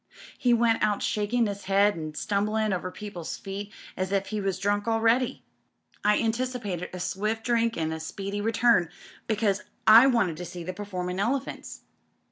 He went out shaking his head an' stum ^ blin' over people's feet as if he was drunk already. I anticipated a swift drink an' a speedy return, because I wanted to see the performin' elephants.